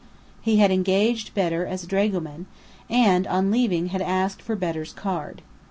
He had engaged Bedr as dragoman, and on leaving had asked for Bedr's card.